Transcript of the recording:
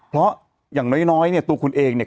เพราะอย่างน้อยเนี่ยตัวคุณเองเนี่ย